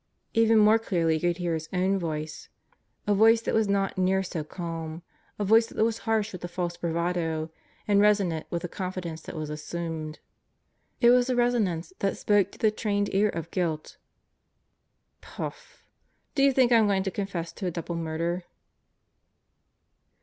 Even more clearly he could hear his own voice a voice that was not near so calm; a voice that was harsh with a false bravado and resonant with a confidence that was assumed. It was a resonance that spoke of guilt to the trained ear: Do you think I'm going to coqfess to a double murder?"